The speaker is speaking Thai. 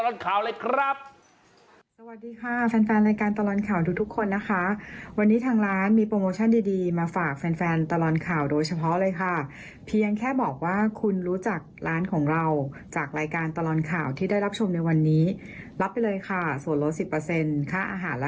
อย่างนั้นจะจัดโปรโมชั่นพิเศษให้กับแฟนรายการตลอดข่าวเลยครับ